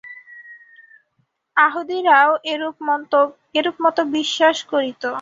য়াহুদীরাও এরূপ মত বিশ্বাস করিত।